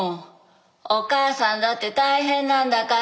お母さんだって大変なんだから。